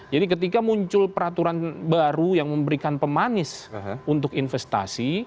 jadi ketika muncul peraturan baru yang memberikan pemanis untuk investasi